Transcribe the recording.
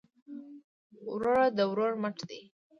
ورور د ورور مټ دی